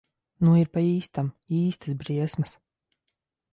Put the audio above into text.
Nu ir pa īstam. Īstas briesmas.